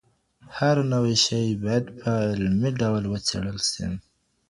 هر نوی شی باید په علمي ډول وڅېړل سي.